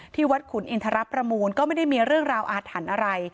วัดขุนอินทรประมูลก็ไม่ได้มีเรื่องราวอาถรรพ์อะไร